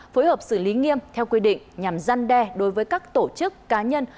phối hợp xử lý nghiêm theo quy định nhằm gian đe đối với các tổ chức cá nhân